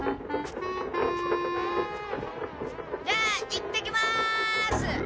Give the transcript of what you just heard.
じゃあ行ってきます！